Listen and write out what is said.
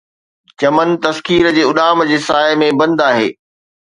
چمن تسخير جي اڏام جي سائي ۾ بند آهي